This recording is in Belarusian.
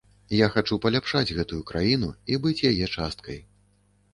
Я хачу паляпшаць гэтую краіну і быць яе часткай.